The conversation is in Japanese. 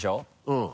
うん。